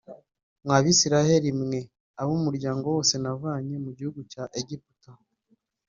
mwa Bisirayeli mwe ab’umuryango wose navanye mu gihugu cya Egiputa